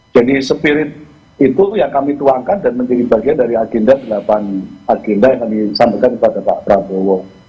jadi spirit itu yang kami tuangkan dan menjadi bagian dari agenda delapan agenda yang disampaikan kepada pak prabowo